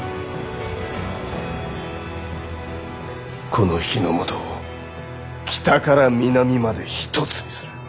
この日ノ本を北から南まで一つにする。